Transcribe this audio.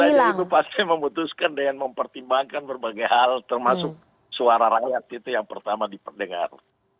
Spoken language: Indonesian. makanya itu pasti memutuskan dengan mempertimbangkan berbagai hal termasuk suara rakyat itu yang pertama diperdengar